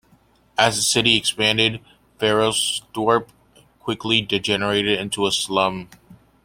As the city expanded, Ferreirasdorp quickly degenerated into a slum.